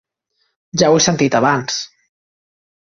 Ja ho he sentit abans.